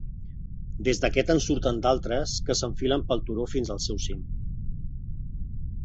Des d'aquest en surten d'altres que s'enfilen pel turó fins al seu cim.